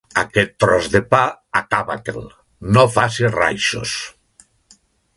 Aquest tros de pa, acaba-te'l: no facis raïssos.